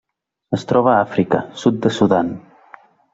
Es troba a Àfrica: sud de Sudan.